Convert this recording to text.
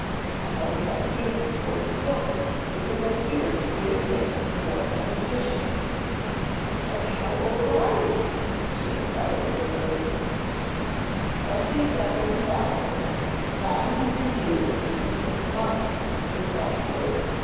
I held my peace before the court because I feared they would take me for a magician.' 'But how old are you?' she inquired in amazement. 'Twenty seven thousand nine hundred years and six months,' replied the bird.